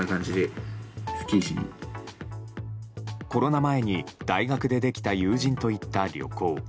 コロナ前に大学でできた友人と行った旅行。